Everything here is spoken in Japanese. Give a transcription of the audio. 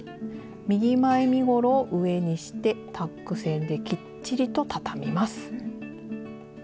右前身ごろを上にしてタック線できっちりとたたみます。